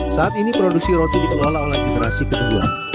saat ini produksi roti dikelola oleh generasi kedua